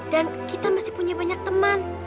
dan kita masih punya banyak teman